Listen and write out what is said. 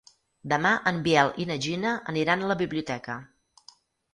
Demà en Biel i na Gina aniran a la biblioteca.